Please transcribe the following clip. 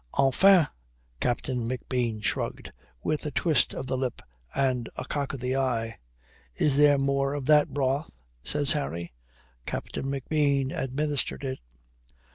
"Enfin." Captain McBean shrugged, with a twist of the lip and a cock of the eye. "Is there more of that broth?" says Harry. Captain McBean administered it.